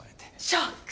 ショック！